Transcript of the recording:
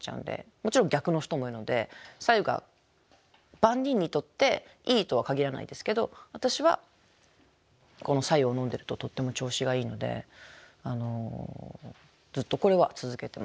もちろん逆の人もいるので白湯が万人にとっていいとは限らないですけど私はこの白湯を飲んでるととっても調子がいいのでずっとこれは続けてます。